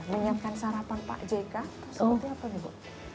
menyiapkan sarapan pak jk seperti apa nih bu